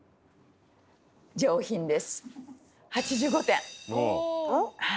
上品です。